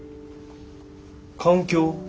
環境？